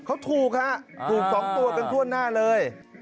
เขาถูกฮะถูก๒ตัวกันทั่วหน้าเลย